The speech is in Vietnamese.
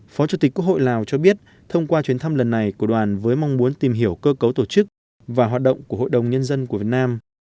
phó chủ tịch quốc hội lào cho biết thông qua chuyến thăm lần này của đoàn với mong muốn tìm hiểu cơ cấu tổ chức và hoạt động của hội đồng nhân dân của việt nam